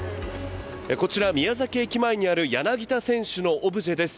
宮崎駅前にある柳田選手のオブジェです。